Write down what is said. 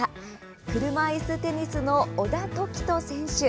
車いすテニスの小田凱人選手。